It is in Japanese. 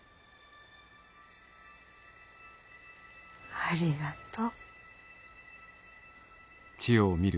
ありがとう。